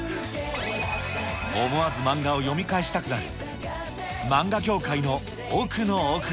思わず漫画を読み返したくな大変。